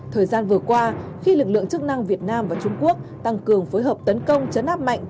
thời gian vừa qua khi lực lượng chức năng việt nam và trung quốc tăng cường phối hợp tấn công chấn áp mạnh